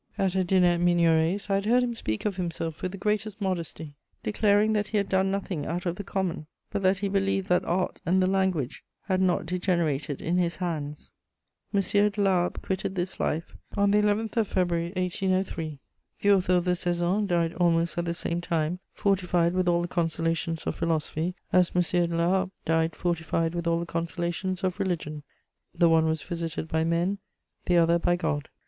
At a dinner at Migneret's, I had heard him speak of himself with the greatest modesty, declaring that he had done nothing out of the common, but that he believed that art and the language had not degenerated in his hands. M. de La Harpe quitted this life on the 11th of February 1803; the author of the Saisons died almost at the same time, fortified with all the consolations of philosophy, as M. de La Harpe died fortified with all the consolations of religion: the one was visited by men, the other by God.